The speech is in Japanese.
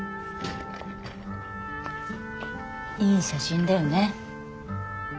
いい写真だよね。